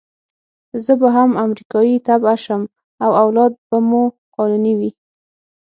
زه به هم امریکایي تبعه شم او اولاد به مو قانوني وي.